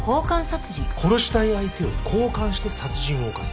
殺したい相手を交換して殺人を犯す。